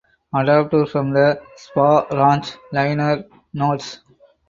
Adapted from the "Spahn Ranch" liner notes.